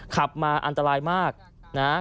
ขับมาอันตรายมากนะ